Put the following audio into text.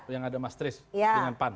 yang ada mastris dengan pan